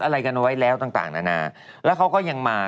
อะไรกันไว้แล้วต่างต่างนานาแล้วเขาก็ยังมา